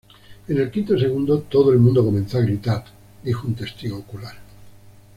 En el quinto segundo, todo el mundo comenzó a gritar", dijo un testigo ocular.